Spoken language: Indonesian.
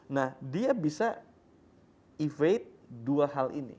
nah dia bisa evate dua hal ini